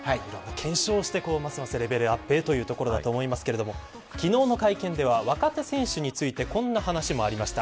継承してレベルアップということですが昨日の会見では若手選手についてこんな話もありました。